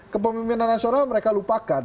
kepemimpinan nasional mereka lupakan